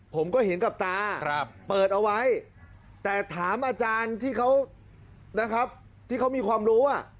ผมก็เห็นกับตาเปิดเอาไว้แต่ถามอาจารย์ที่เขามีความรู้